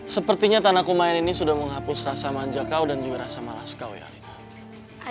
sepertinya tanah kumain ini sudah menghapus rasa manja kau dan juga rasa malas kau ya alina